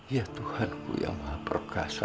ya tuhan ku yang maha perkasa